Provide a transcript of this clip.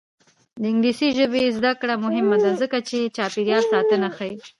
د انګلیسي ژبې زده کړه مهمه ده ځکه چې چاپیریال ساتنه ښيي.